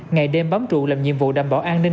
ngày đêm bám trụ làm nhiệm vụ đảm bảo an ninh